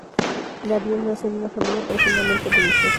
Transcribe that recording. Darien nace en una familia profundamente religiosa.